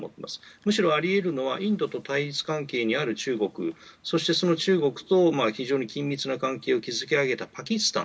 むしろあり得るのはインドと対立関係にある中国そしてその中国と非常に緊密な関係を築き上げたパキスタン。